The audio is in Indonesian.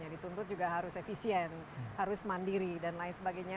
dituntut juga harus efisien harus mandiri dan lain sebagainya